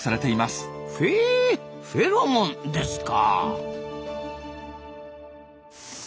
ふえフェロモンですか。